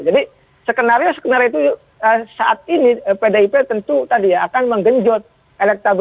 jadi sekenario sekenario itu saat ini pdip tentu tadi ya akan menggenjot elektronik